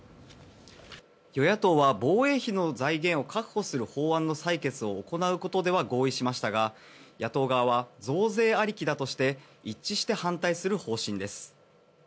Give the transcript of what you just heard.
与野党は防衛費の財源を確保する法案の採決を行うことでは合意しましたが野党側は増税ありきだとして一致して反対する方針です。